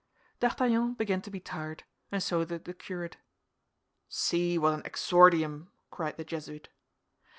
D'Artagnan began to be tired, and so did the curate. "See what an exordium!" cried the Jesuit.